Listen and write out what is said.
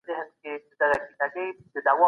په پانګه والي کي خلګ له سود څخه پیسې ګټي.